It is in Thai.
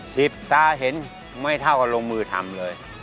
สิบตาเห็นไม่เท่ากับลงมือทำเลย